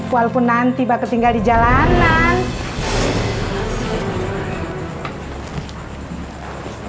walaupun nanti bakal tinggal di jalanan